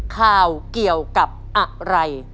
ข่าวเกี่ยวกับอะไร